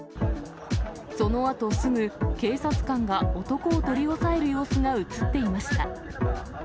そのあとすぐ、警察官が男を取り押さえる様子が写っていました。